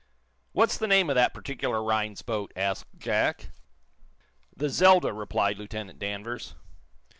"What's the name of that particular Rhinds boat?" asked Jack. "The 'Zelda'," replied Lieutenant Danvers.